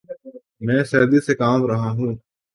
میں سردی سے کانپ رہا ہوں